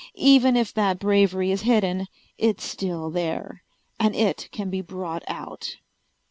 Even if that bravery is hidden, it's still there, and it can be brought out."